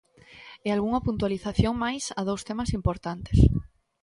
E algunha puntualización máis a dous temas importantes.